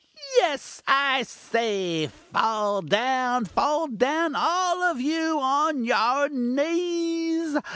Yes, I say fall down fall down all of you, on your knees!